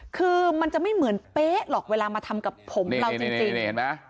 คือมันจะไม่เหมือนเป๊ะหรอกเวลามาทำกับผมเราจริง